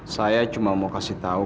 saya cuma mau kasih tahu